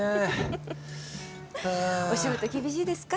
お仕事厳しいですか？